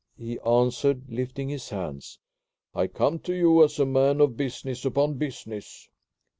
he answered, lifting his hands. "I come to you as a man of business upon business."